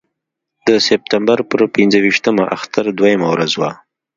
د سپټمبر پر پنځه ویشتمه اختر دویمه ورځ وه.